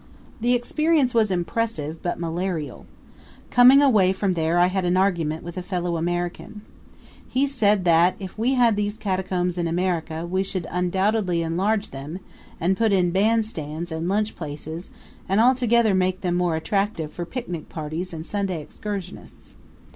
The experience was impressive, but malarial. Coming away from there I had an argument with a fellow American. He said that if we had these Catacombs in America we should undoubtedly enlarge them and put in band stands and lunch places, and altogether make them more attractive for picnic parties and Sunday excursionists.